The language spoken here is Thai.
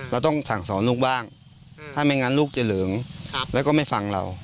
เราต้องสั่งสอนลูกบ้างถ้าไม่งั้นลูกจะเหลิงแล้วก็ไม่ฟังเรา